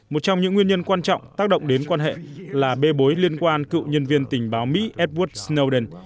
một trong những nguyên nhân quan trọng tác động đến quan hệ là bê bối liên quan cựu nhân viên tình báo mỹ étbood snowden